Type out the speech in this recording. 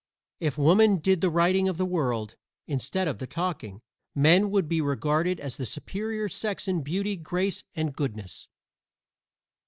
If women did the writing of the world, instead of the talking, men would be regarded as the superior sex in beauty, grace and goodness.